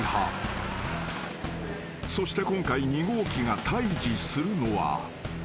［そして今回弐号機が対峙するのは］